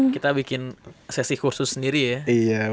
kita bikin sesi khusus sendiri ya